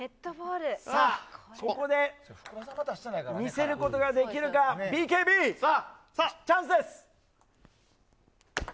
ここで見せることができるかＢＫＢ、チャンスです。